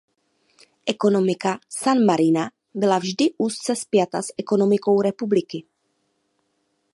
Ekonomika San Marina byla vždy úzce spjata s ekonomikou republiky.